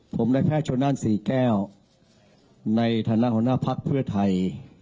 ผมได้แพทย์ชนนั่น๔แก้วในฐานะหัวหน้าภาคเพื่อไทย